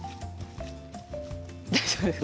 大丈夫ですか。